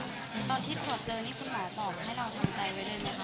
คุณหมอตอบเจอนี่คุณหมอตอบให้เราทำใจไว้เลยไหมคะ